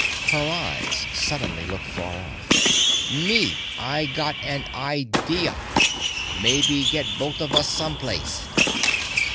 Her eyes suddenly looked far off. "Me, I got an idea. Maybe get both of us some place."